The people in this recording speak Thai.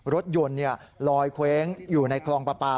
รถยนต์ลอยเคว้งอยู่ในคลองปลาปลา